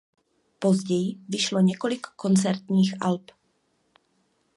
Později vyšlo několik koncertních alb.